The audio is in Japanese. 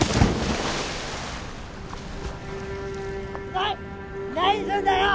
何っ何すんだよ！